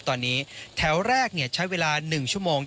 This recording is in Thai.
ตอนนี้แถวแรกใช้เวลา๑ชั่วโมง